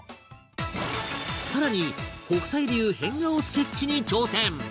更に北斎流変顔スケッチに挑戦